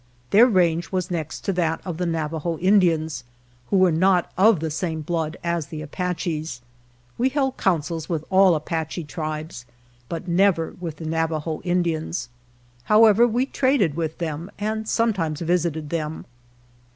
Their range was next to that of the Navajo Indians, who were not of the same blood as the Apaches. We held councils with all Apache tribes, but never with the Navajo Indians. However, we traded with them and sometimes visited them.